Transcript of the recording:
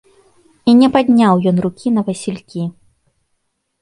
І не падняў ён рукі на васількі.